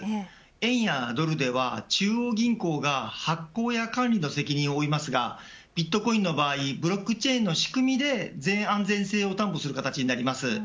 円やドルでは中央銀行が発行や管理の責任を負いますがビットコインの場合ブロックチェーンの仕組みで全安全性を担保する形になります。